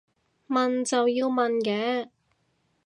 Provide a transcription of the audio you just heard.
問就要問嘅